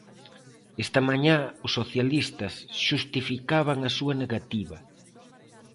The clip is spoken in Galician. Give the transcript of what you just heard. Está mañá, os socialistas xustificaban a súa negativa.